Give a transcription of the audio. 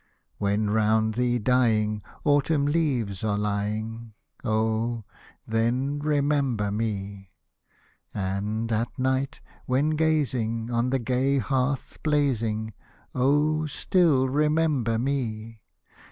When, around thee dying. Autumn leaves are lying, Oh ! then remember me. And, at night, when gazing On the gay hearth blazing. Oh ! still remember me.